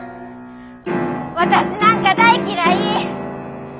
私なんか大嫌い！